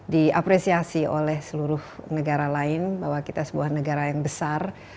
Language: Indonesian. diapresiasi oleh seluruh negara lain bahwa kita sebuah negara yang besar